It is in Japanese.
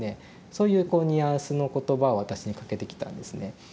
そういうこうニュアンスの言葉を私にかけてきたんですね。